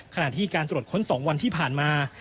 ขณะที่การตรวจค้น๒วันที่ผ่านมา